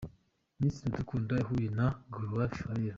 Miss Iradukunda yahuye na Gael Faye.